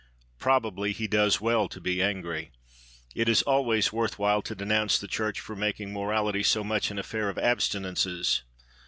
Probably he does well to be angry. It is always worth while to denounce the Church for making morality so much an affair of abstinences.